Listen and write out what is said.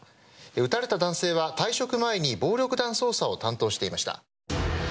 撃たれた男性は退職前に暴力団捜査を担当していました。